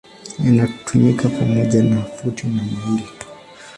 Inatumika pamoja na futi na maili.